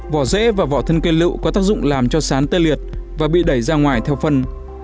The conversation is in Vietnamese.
vỏ rễ và vỏ thân cây lựu có tác dụng làm cho sán tê liệt và bị đẩy ra ngoài theo phân